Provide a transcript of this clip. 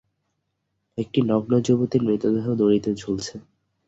একটি নগ্ন যুবতীর মৃতদেহ দড়িতে ঝুলছে।